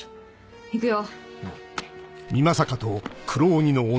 行くよ。